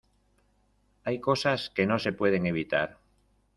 hay cosas que no se pueden evitar